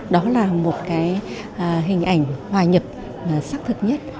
đó là một hình ảnh hòa nhập sắc thực nhất